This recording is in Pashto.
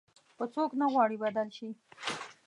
خو څوک نه غواړي بدل شي.